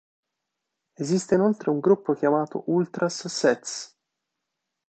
Esiste inoltre un gruppo chiamato "Ultras Sez.